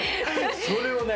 それをね